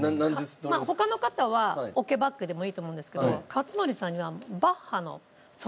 まあ他の方はオケバックでもいいと思うんですけど克典さんにはオケなし？